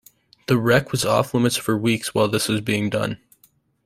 The wreck was off limits for weeks while this was being done.